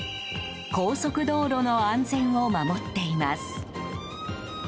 高速道路の安全を守っています。